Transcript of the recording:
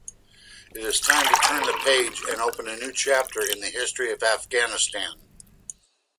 It is time to turn the page and open new chapter in the history of Afghanistan.